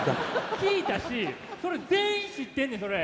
聞いたしそれ全員知ってんねんそれ！